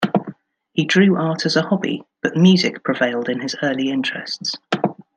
He drew art as a hobby, but music prevailed in his early interests.